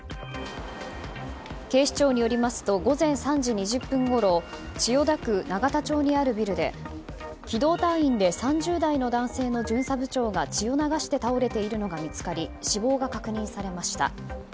警視庁によりますと午前３時２０分ごろ千代田区永田町にあるビルで機動隊員で３０代の男性の巡査部長が血を流して倒れているのが見つかり死亡が確認されました。